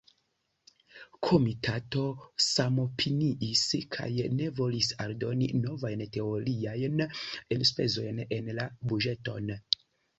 La Komitato samopiniis, kaj ne volis aldoni novajn teoriajn enspezojn en la buĝeton.